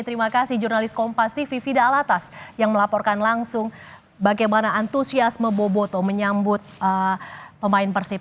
terima kasih jurnalis kompas tv fida alatas yang melaporkan langsung bagaimana antusiasme boboto menyambut pemain persib